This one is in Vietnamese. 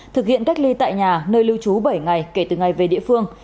thực hiện cách ly tại nhà nơi lưu trú bảy ngày kể từ ngày về địa phương